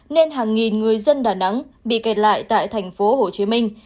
nên hàng nghìn người dân đà nẵng bị kẹt lại tại thành phố hồ chí minh